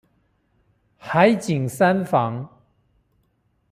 海景三房